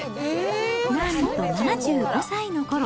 なんと７５歳のころ。